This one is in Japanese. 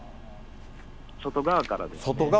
外側からですね。